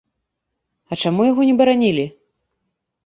А чаму яго не баранілі?